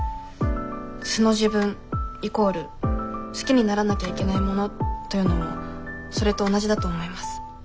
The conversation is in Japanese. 「素の自分」イコール「好きにならなきゃいけないもの」というのもそれと同じだと思います。